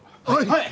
はい。